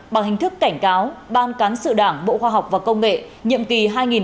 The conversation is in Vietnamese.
bằng hình thức cảnh cáo ban cán sự đảng bộ khoa học và công nghệ nhiệm kỳ hai nghìn một mươi sáu hai nghìn hai mươi một